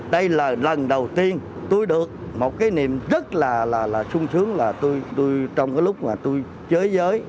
đây là lần đầu tiên tôi được một cái niềm rất là sung sướng là tôi trong cái lúc mà tôi chới